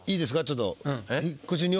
ちょっと。